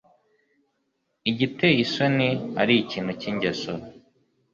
igiteye isoni ari ikintu cy'ingeso